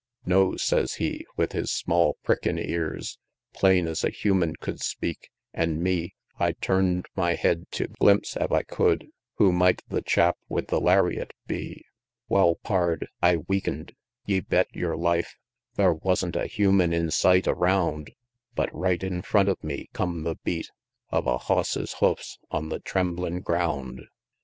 XLIII. "No," sez he, with his small, prickin' ears, Plain es a human could speak; an' me I turn'd my head tew glimpse ef I could, Who might the chap with the lariat be. Wal, Pard, I weaken'd ye bet yer life! Thar wasn't a human in sight around, But right in front of me come the beat Of a hoss's hoofs on the tremblin' ground XLIV.